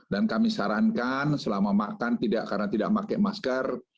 dan kami sarankan selama makan karena tidak pakai masker